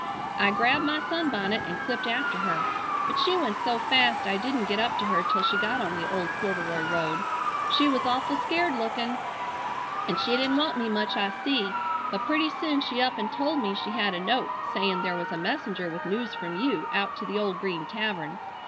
I grabbed my sunbonnet an clipped after her, but she went so fast I didn't get up to her till she got on the old corduroy road. She was awful scared lookin an she didn't want me much I see, but pretty soon she up an told me she had a note sayin there was a messenger with news from you out to the old Green Tavern.